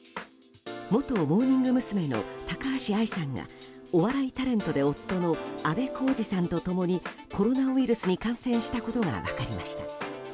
元モーニング娘。の高橋愛さんがお笑いタレントで夫のあべこうじさんと共にコロナウイルスに感染したことが分かりました。